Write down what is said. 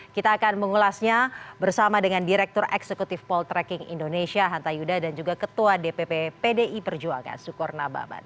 kita akan mengulasnya bersama dengan direktur eksekutif poltreking indonesia hanta yuda dan juga ketua dpp pdi perjuangan sukor nababan